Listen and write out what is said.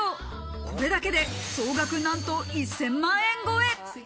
これだけで総額なんと１０００万円超え！